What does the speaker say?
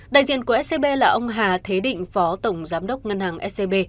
đại diện của scb là ông hà thế định phó tổng giám đốc ngân hàng scb